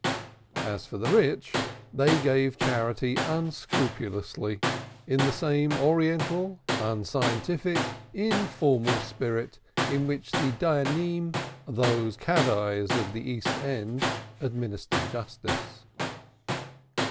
As for the rich, they gave charity unscrupulously in the same Oriental, unscientific, informal spirit in which the Dayanim, those cadis of the East End, administered justice.